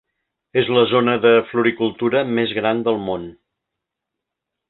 És la zona de floricultura més gran del món.